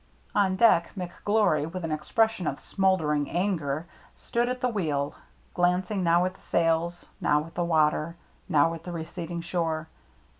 On deck McGlory, with an expression of smouldering anger, stood at the wheel, glanc ing now at the sails, now at the water, now at the receding shore.